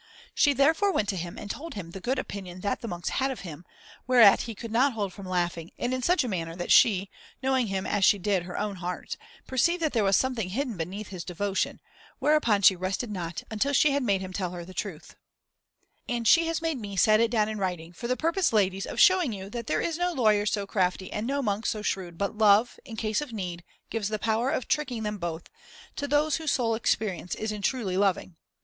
(6) She therefore went to him and told him the good opinion that the monks had of him, whereat he could not hold from laughing, and in such a manner that she, knowing him as she did her own heart, perceived that there was something hidden beneath his devotion; whereupon she rested not until she had made him tell her the truth. 6 In Boaistuau's edition this sentence ends, "But she had never suspected him of going to church at such an hour as this." L. And she has made me here set it down in writing, for the purpose, ladies, of showing you that there is no lawyer so crafty and no monk so shrewd, but love, in case of need, gives the power of tricking them both, to those whose sole experience is in truly loving.